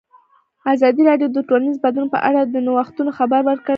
ازادي راډیو د ټولنیز بدلون په اړه د نوښتونو خبر ورکړی.